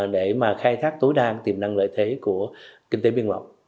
để mà khai thác tối đan tiềm năng lợi thế của kinh tế biên mậu